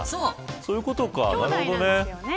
そういうことか、なるほどね。